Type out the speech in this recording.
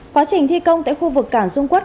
quá trình thi công tại khu vực cảng dung quốc